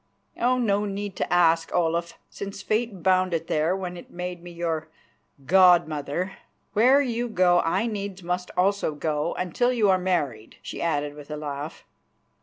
"Oh! no need to ask, Olaf, since Fate bound it there when it made me your god mother. Where you go I needs must go also, until you are married," she added with a laugh.